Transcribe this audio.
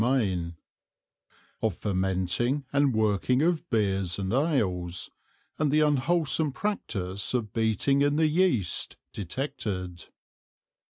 XIII Of fermenting and working of Beers and Ales, and the pernicious Practice of Beating in the Yeast detected.